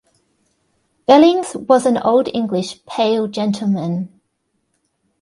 Bellings was an Old English Pale gentleman.